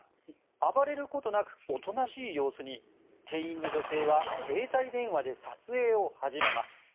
暴れることなくおとなしい様子に店員の女性は携帯電話で撮影を始めます。